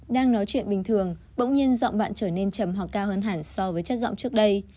đang nói chuyện bình thường bỗng nhiên giọng bạn trở nên trầm hoặc cao hơn hẳn so với chất giọng trước đây